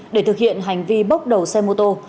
để thực hiện hành vi bốc đầu xe mô tô